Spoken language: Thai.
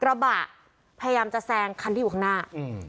กระบะพยายามจะแซงคันที่อยู่ข้างหน้าอืม